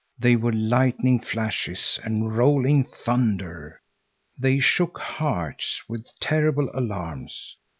They were lightning flashes and rolling thunder. They shook hearts with terrible alarms.